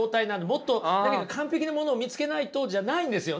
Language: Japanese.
もっと何か完璧なものを見つけないとじゃないんですよね。